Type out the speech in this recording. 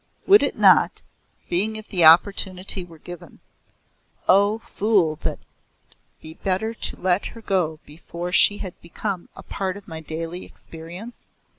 Would it not being if the opportunity were given. Oh, fool that be better to let her go before she had become a part of my daily experience?